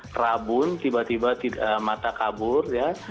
trabun tiba tiba mata kabur